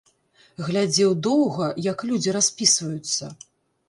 Глядзеў доўга, як людзі распісваюцца.